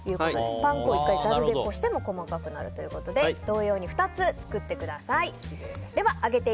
パン粉を１回ざるでこしても細かくなるということで同様に２つ作ってください。